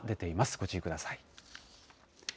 ご注意ください。